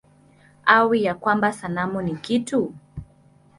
Au ya kwamba sanamu ni kitu?